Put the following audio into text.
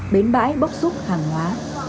bến bãi bốc xúc hàng hóa